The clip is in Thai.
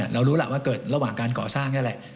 เรารู้ล่ะว่าเกิดระหว่างการก่อสร้างนี่แหละ